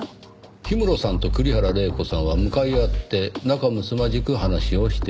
氷室さんと栗原玲子さんは向かい合って仲むつまじく話をしています。